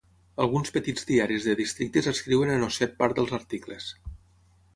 Alguns petits diaris de districtes escriuen en osset part dels articles.